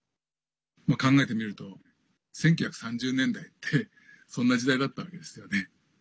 考えてみると１９３０年代ってそんな時代だったわけですよね。